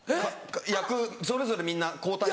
役それぞれみんな交代。